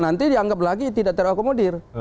nanti dianggap lagi tidak terakomodir